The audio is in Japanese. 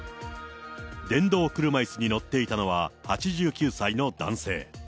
電動車いすに乗っていたのは８９歳の男性。